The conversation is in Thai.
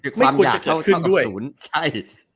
ความอยากเท่ากับศูนย์